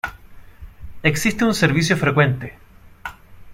Existe un servicio frecuente.